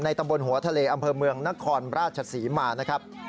ตำบลหัวทะเลอำเภอเมืองนครราชศรีมานะครับ